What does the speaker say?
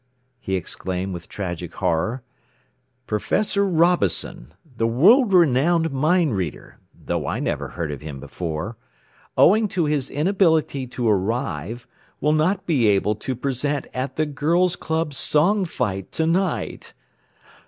he exclaimed with tragic horror. "Professor Robison, the world renowned mind reader (though I never heard of him before), owing to his inability to arrive, will not be able to be present at the Girls' Club song fight to night!